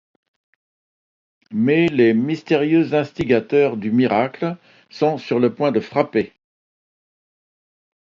Mais les mystérieux instigateurs du Miracle sont sur le point de frapper.